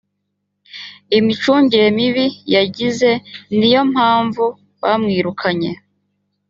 imicungire mibi yagize niyo mpamvu bamwirukanye